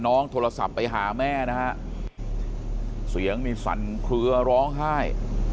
น้องโทรศัพท์ไปหาแม่เสียงมีสันเคลือร้องไห้